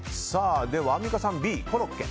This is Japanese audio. アンミカさんＢ、コロッケ。